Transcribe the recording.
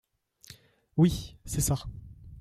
Oui !… c’est ça !…